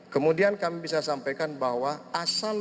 kemudian kami bisa sampaikan bahwa asal